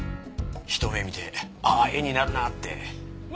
ひと目見てああ絵になるなあって。